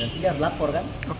tidak lapor kan